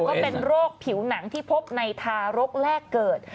ก็เป็นโรคผิวหนังที่พบในทารกแรกเกิด